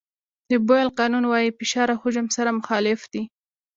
د بویل قانون وایي فشار او حجم سره مخالف دي.